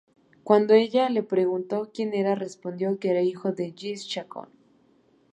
Cuando ella le preguntó quien era, respondió que era hijo de Jesse Chacón.